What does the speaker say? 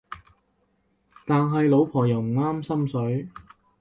但係老婆又唔啱心水